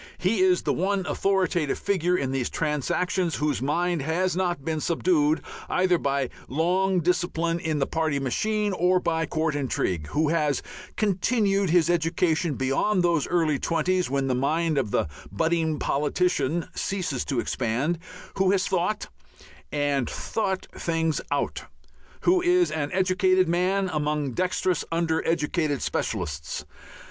He is the one authoritative figure in these transactions whose mind has not been subdued either by long discipline in the party machine or by court intrigue, who has continued his education beyond those early twenties when the mind of the "budding politician" ceases to expand, who has thought, and thought things out, who is an educated man among dexterous under educated specialists.